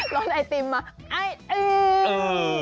รถไอติมมาเอ่อ